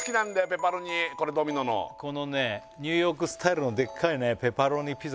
ペパロニこれドミノのこのねニューヨークスタイルのでっかいねペパロニピザ